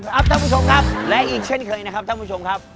ท่านผู้ชมครับและอีกเช่นเคยนะครับท่านผู้ชมครับ